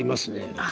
ああ。